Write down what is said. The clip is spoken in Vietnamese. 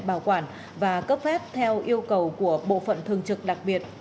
bảo quản và cấp phép theo yêu cầu của bộ phận thường trực đặc biệt